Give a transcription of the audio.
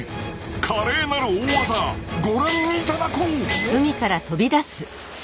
華麗なる大技ご覧いただこう！